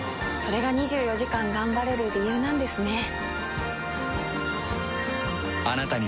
れが２４時間頑張れる理由なんですね。